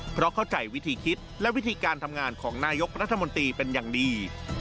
เพราะเข้าใจวิธีคิดและวิธีการทำงานของนายกรัฐมนตรีเป็นอย่างดี